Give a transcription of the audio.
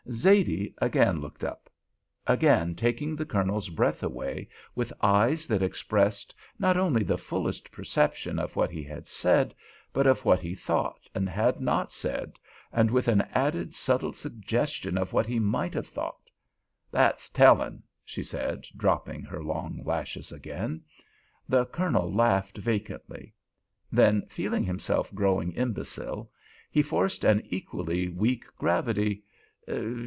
Zaidee again looked up; again taking the Colonel's breath away with eyes that expressed not only the fullest perception of what he had said, but of what he thought and had not said, and with an added subtle suggestion of what he might have thought. "That's tellin'," she said, dropping her long lashes again. The Colonel laughed vacantly. Then feeling himself growing imbecile, he forced an equally weak gravity.